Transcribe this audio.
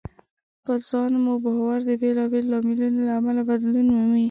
په ځان مو باور د بېلابېلو لاملونو له امله بدلون مومي.